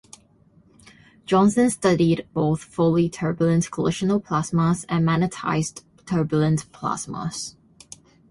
Johnson studied both fully turbulent collisional plasmas and magnetised turbulent plasmas.